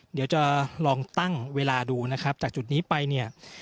เดี๋ยวจะลองตั้งเวลาดูจากจุดนี้ไป